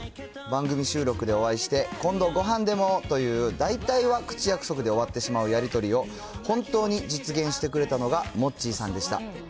番組収録でお会いして、今度ごはんでもという大体は口約束で終わってしまうやり取りを、本当に実現してくれたのが、もっちーさんでした。